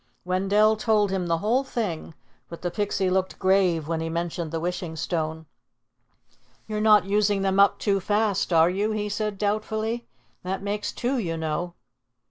Wendell told him the whole thing, but the Pixie looked grave when he mentioned the Wishing Stone. "You're not using them up too fast, are you?" he said doubtfully. "That makes two, you know."